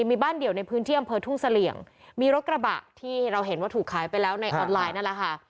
มีบ้านเดียวในพื้นที่อำเภอทุ่งเสลี่ยงมีรถกระบะที่เราเห็นว่าถูกขายไปแล้วในออนไลน์นั่นแหละค่ะ